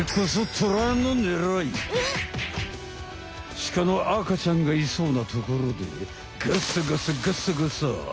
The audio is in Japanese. シカの赤ちゃんがいそうなところでガッサガサガッサガサ。